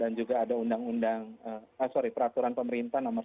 dan juga ada undang undang ah sorry peraturan pemerintah nomor tujuh puluh satu